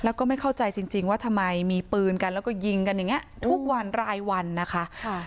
แล้วก็ไม่เข้าใจจริงว่าทำไมมีปืนกันแล้วก็ยิงกันอย่างนี้ทุกวันรายวันนะคะ